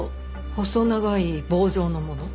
細長い棒状のもの。